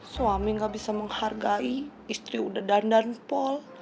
suami gak bisa menghargai istri udah dandan pol